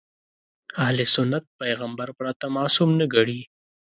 اهل سنت پیغمبر پرته معصوم نه ګڼي.